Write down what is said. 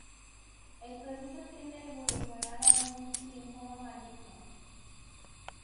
El proceso tiende a evolucionar a un linfoma maligno.